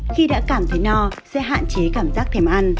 khi đã cảm thấy no sẽ hạn chế cảm giác thèm ăn